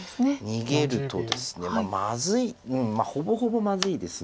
逃げるとですねまあまずいほぼほぼまずいです。